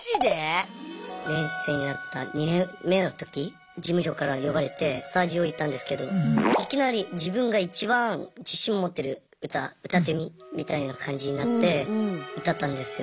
練習生になった２年目の時事務所から呼ばれてスタジオ行ったんですけどいきなり自分がいちばん自信持ってる歌歌ってみみたいな感じになって歌ったんですよ。